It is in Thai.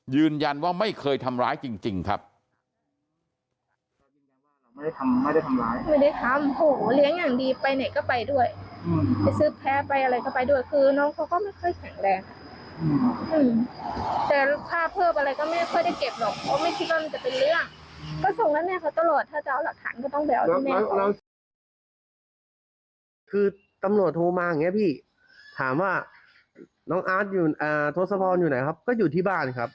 ยืนยันว่าไม่เคยทำร้ายจริงครับ